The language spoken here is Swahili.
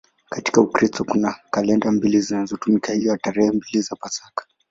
Katika Ukristo kuna kalenda mbili zinazotumika, hivyo pia tarehe mbili za Pasaka.